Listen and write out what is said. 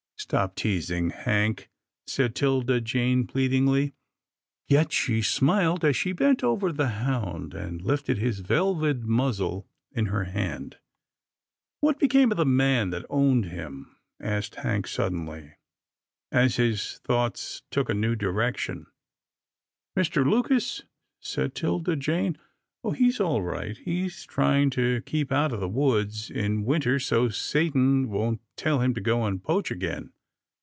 " Stop teasing, Hank," said 'Tilda Jane plead ingly, yet she smiled as she bent over the hound, and lifted his velvet muzzle in her hand. 26 'TILDA JANE'S ORPHANS " What became of the man that owned him ?" asked Hank suddenly, as his thoughts took a new direction. "Mr. Lucas?" said 'Tilda Jane. "Oh! he's all right. He's trying to keep out of the woods in winter so Satan won't tell him to go and poach again.